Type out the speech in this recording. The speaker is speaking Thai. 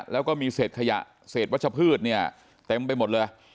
แล้วก็มีเศษขยะเศษวัชพืชเนี่ยเต็มไปหมดเลย